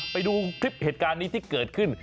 ไปดูคลิปเหตุการณ์นี้ที่เกิดขึ้น